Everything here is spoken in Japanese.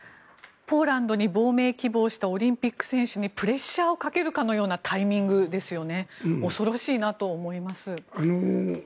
ポーランドに亡命希望したオリンピック選手にプレッシャーをかけるようなタイミングですよね。